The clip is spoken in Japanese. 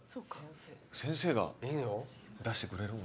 先生が出してくれる。